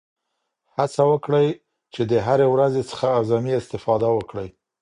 هڅه وکړئ چې د هرې ورځې څخه اعظمي استفاده وکړئ.